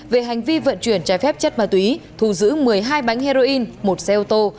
về hành vi vận chuyển trái phép chất ma túy thù giữ một mươi hai bánh heroin một xe ô tô